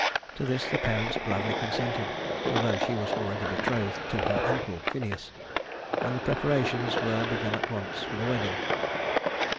To this the parents gladly consented, although she was already betrothed to her uncle Phineus, and the preparations were begun at once for the wedding.